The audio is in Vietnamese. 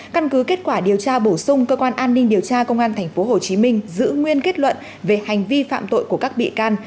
căn cứ kết quả điều tra bổ sung cơ quan an ninh điều tra công an tp hcm giữ nguyên kết luận về hành vi phạm tội của các bị can